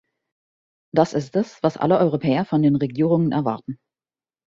Das ist es, was alle Europäer von den Regierungen erwarten.